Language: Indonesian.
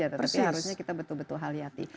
harusnya kita betul betul haliati